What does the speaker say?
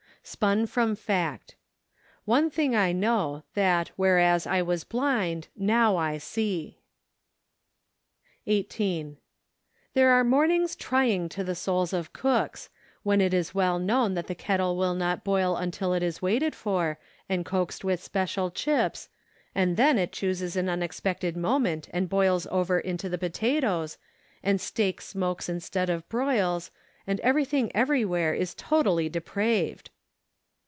Spun from Fact. " One thing I know , that, whereas I teas blind , now I see." OCTOBER. 117 18. There are mornings trying to the souls of cooks, when it is well known that the kettle will not boil until it is waited for, and coaxed with special chips, and then it chooses an unexpected moment and boils over into the potatoes, and steak smokes instead of broils, and everything everywhere is totally depraved.